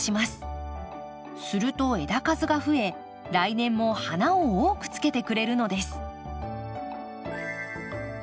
すると枝数が増え来年も花を多くつけてくれるのです。